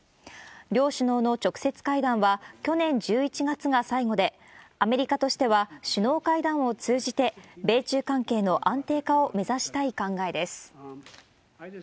両首脳の直接会談は、去年１１月が最後で、アメリカとしては、首脳会談を通じて、米中関係の安定化を目指したい考えです。